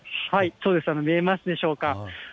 はい、そうです、見えますでしょうか。